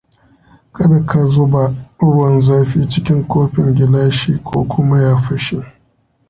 Kada ka zuba ruwan zafi cikin kofin gilashi ko kuma ya fashe.